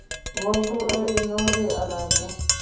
.وګورئ نورې علامې